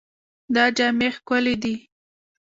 دا جامې ښکلې دي.